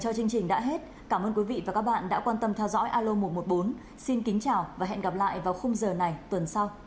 hãy đăng ký kênh để ủng hộ kênh của mình nhé